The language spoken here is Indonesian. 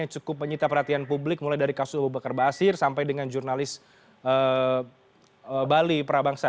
yang cukup menyita perhatian publik mulai dari kasus abu bakar basir sampai dengan jurnalis bali prabangsa